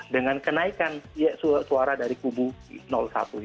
dengan kenaikan suara dari kubu satu